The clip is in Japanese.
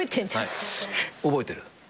覚えてる？